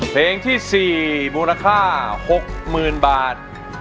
เพลงที่๔มูลค่า๖๐๐๐๐บาท